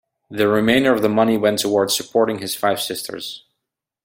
The remainder of the money went towards supporting his five sisters.